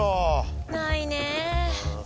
ないねえ。